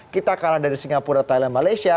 kita kalah dari singapura thailand malaysia